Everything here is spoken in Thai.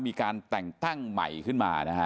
มีการแต่งตั้งใหม่ขึ้นมานะฮะ